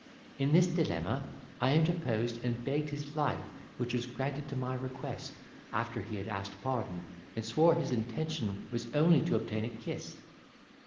In this dilemma I interposed and begged his life, which was granted to my request, after he had asked pardon, and swore his intention was only to obtain a kiss.